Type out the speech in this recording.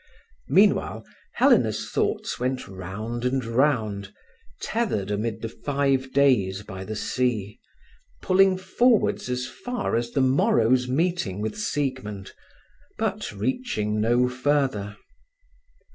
Meanwhile, Helena's thoughts went round and round, tethered amid the five days by the sea, pulling forwards as far as the morrow's meeting with Siegmund, but reaching no further.